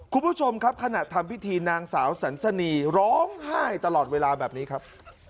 คุณผู้ชมครับขณะทำพิธีนางสาวสันสนีร้องไห้ตลอดเวลาแบบนี้ครับ